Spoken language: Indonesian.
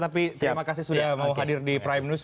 tapi terima kasih sudah mau hadir di prime news